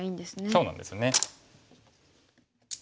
そうなんですね。